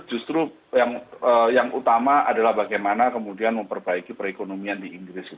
justru yang utama adalah bagaimana kemudian memperbaiki perekonomian di inggris